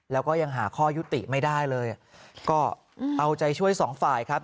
แล้วก็ยังหาข้อยุติไม่ได้เลยก็เอาใจช่วยสองฝ่ายครับ